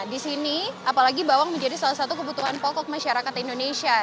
di sini apalagi bawang menjadi salah satu kebutuhan pokok masyarakat indonesia